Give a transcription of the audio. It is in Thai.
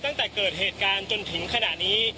แต่เกิดเหตุการณ์จนถึงขนาดนี้